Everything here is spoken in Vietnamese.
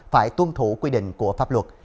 phải tuân thủ quy định của pháp luật